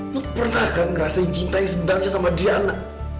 lo pernah kan ngerasain cinta yang sebenarnya sama diana